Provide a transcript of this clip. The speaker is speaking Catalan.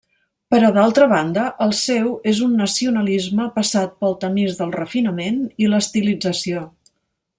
Però, d'altra banda, el seu és un nacionalisme passat pel tamís del refinament i l'estilització.